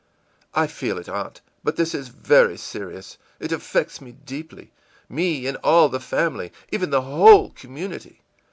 î ìI feel it, aunt, but this is very serious. It affects me deeply me, and all the family even the whole community.